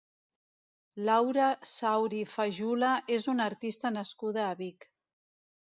Laura Sauri Fajula és una artista nascuda a Vic.